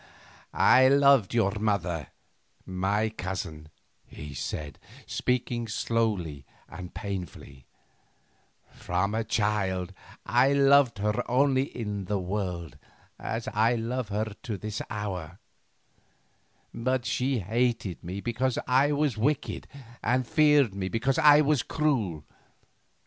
"I loved your mother, my cousin," he said, speaking slowly and painfully; "from a child I loved her only in the world, as I love her to this hour, but she hated me because I was wicked and feared me because I was cruel.